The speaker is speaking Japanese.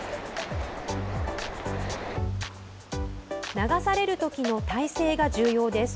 流されるときの体勢が重要です。